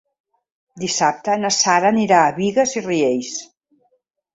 Dissabte na Sara anirà a Bigues i Riells.